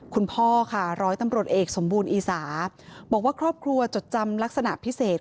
คุณพ่อค่ะร้อยตำรวจเอกสมบูรณอีสาบอกว่าครอบครัวจดจำลักษณะพิเศษ